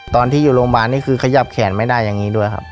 ตอนที่อยู่โรงพยาบาลนี่คือขยับแขนไม่ได้อย่างนี้ด้วยครับ